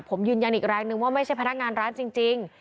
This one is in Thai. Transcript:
ผมยืนยันอีกแรงนึงว่าไม่ใช่พนักงานร้านจริง